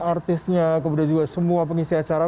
artisnya kemudian juga semua pengisi acara